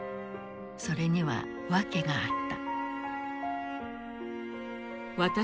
それには訳があった。